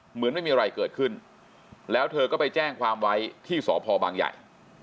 เหมือนไม่มีอะไรเกิดขึ้นแล้วเธอก็ไปแจ้งความไว้ที่สพบางใหญ่